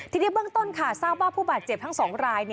ทีนี้เบื้องต้นค่ะทราบว่าผู้บาดเจ็บทั้ง๒ราย